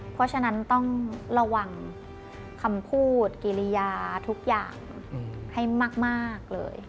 เพราะฉะนั้นต้องระวังคำพูดกิริยาทุกอย่างให้มากเลย